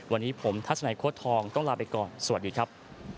วันนี้ผมทัศนัยโค้ดทองต้องลาไปก่อนสวัสดีครับ